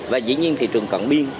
và dĩ nhiên thị trường cận biên